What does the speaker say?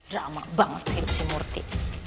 drama banget kehidupan si murti